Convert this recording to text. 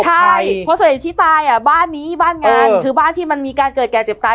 ใช่เพราะส่วนใหญ่ที่ตายอ่ะบ้านนี้บ้านงานคือบ้านที่มันมีการเกิดแก่เจ็บตาย